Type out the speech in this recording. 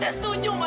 amirah itu selamat